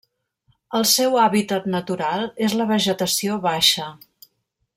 El seu hàbitat natural és la vegetació baixa.